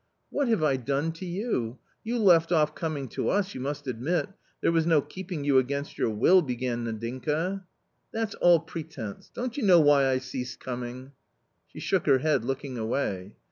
" What have I done to you ? You left off coming to us — you must admit. There was no keeping you against your will," began Nadinka. "That's all pretence! don't you know why I ceased coming ?" She shook her head, looking away.